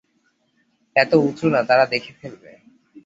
এত উচু না, তারা দেখে ফেলবে।